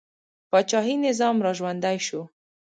پاچاهي نظام را ژوندی شو.